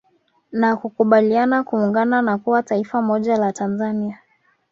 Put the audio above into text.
Na kukubaliana kuungana na kuwa taifa moja la Tanzania